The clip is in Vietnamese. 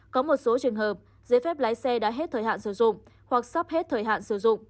có một số trường hợp giấy phép lái xe đã hết thời hạn sử dụng hoặc sắp hết thời hạn sử dụng